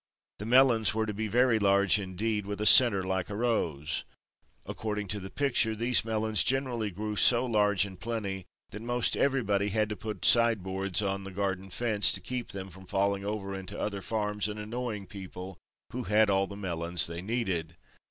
The melons were to be very large indeed, with a center like a rose. According to the picture, these melons generally grew so large and plenty that most everybody had to put side boards on the garden fence to keep them from falling over into other farms and annoying people who had all the melons they needed.